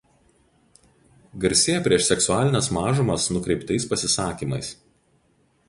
Garsėja prieš seksualines mažumas nukreiptais pasisakymais.